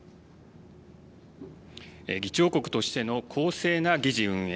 議長国としての公正な議事運営。